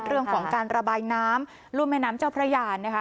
เรื่องของการระบายน้ำรุ่มแม่น้ำเจ้าพระยานนะคะ